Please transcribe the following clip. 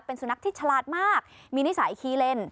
เป็นสุนัขที่ฉลาดมากมีนิสัยขี้เล่น